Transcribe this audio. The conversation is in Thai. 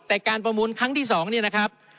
แต่การประมูลครั้งที่๒เนี่ยนะครับ